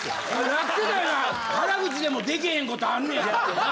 なってたな原口でも出来へんことあんねやってな。